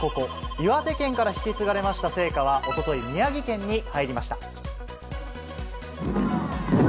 岩手県から引き継がれました聖火はおととい、宮城県に入りました。